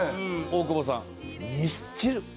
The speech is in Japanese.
大久保さんミスチル。